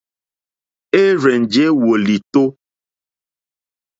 Érzènjé wòlìtó.